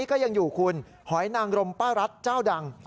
ก็ยังอยู่คุณหอยนางรมป้ารัฐเจ้าดัง